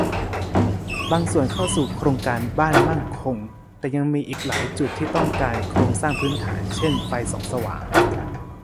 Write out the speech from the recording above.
บางส่วนเข้าสู่โครงการบ้านมั่นคง แต่ยังมีอีกหลายจุดที่ต้องการโครงสร้างพื้นฐานเช่น ไฟส่องสว่าง